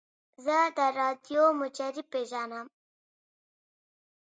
زه د راډیو مجری پیژنم.